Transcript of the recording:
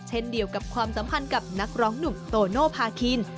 เช่นเดียวกับความสัมพันธ์กับนักร้องหนุ่มโตโนภาคิน